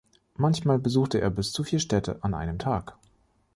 Manchmal besuchte er bis zu vier Städte an einem Tag.